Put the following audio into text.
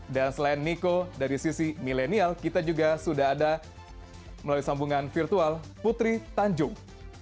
dan selain nico dari sisi milenial kita juga sudah ada melalui sambungan virtual putri tanjung